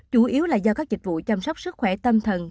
chủ yếu là do các dịch vụ chăm sóc sức khỏe tâm thần